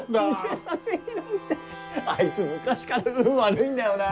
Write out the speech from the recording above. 偽札拾うってあいつ昔から運悪いんだよな。